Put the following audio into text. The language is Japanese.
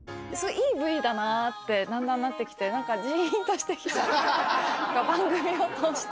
いいブイだなって、だんだんなってきて、なんか、じーんとしてきちゃって。